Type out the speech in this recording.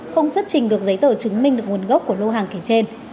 không xuất trình được giấy tờ chứng minh được nguồn gốc của lô hàng kể trên